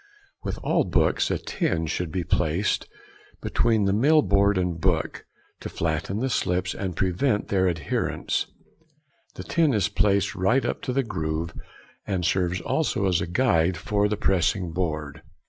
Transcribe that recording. With all books, a tin should be placed between the mill board and book, to flatten the slips, and prevent their adherence. The tin is placed right up to the groove, and serves also as a guide for the pressing board.